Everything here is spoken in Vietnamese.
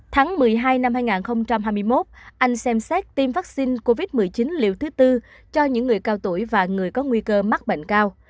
tháng một mươi hai năm hai nghìn hai mươi một anh xem xét tiêm vaccine covid một mươi chín liều thứ tư cho những người cao tuổi và người có nguy cơ mắc bệnh cao